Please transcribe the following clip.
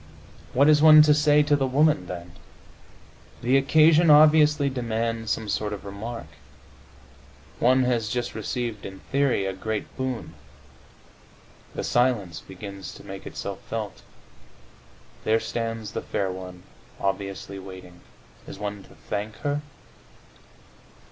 What is one to say to the woman then? The occasion obviously demands some sort of remark. One has just received (in theory) a great boon; the silence begins to make itself felt; there stands the fair one, obviously waiting. Is one to thank her?